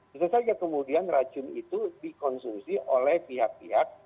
bisa saja kemudian racun itu dikonsumsi oleh pihak pihak